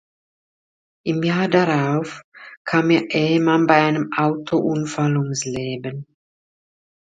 Im Jahr darauf kam ihr Ehemann bei einem Autounfall ums Leben.